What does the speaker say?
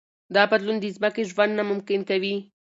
دا بدلون د ځمکې ژوند ناممکن کوي.